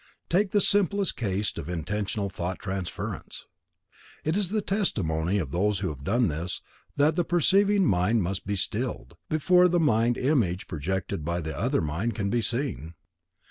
Take the simplest case of intentional thought transference. It is the testimony of those who have done this, that the perceiving mind must be stilled, before the mind image projected by the other mind can be seen.